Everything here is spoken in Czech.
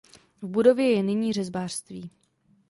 V budově je nyní řezbářství.